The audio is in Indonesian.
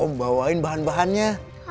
om bawain bahan bahannya